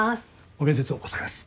おめでとうございます。